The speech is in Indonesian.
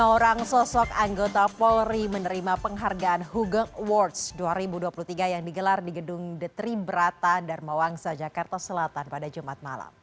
lima orang sosok anggota polri menerima penghargaan hugeng awards dua ribu dua puluh tiga yang digelar di gedung detri berata dharma wangsa jakarta selatan pada jumat malam